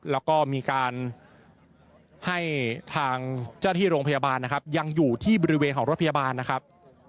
แล้วก็มีการให้ทางเจ้าที่โรงพยาบาลนะครับยังอยู่ที่บริเวณของรถพยาบาลนะครับ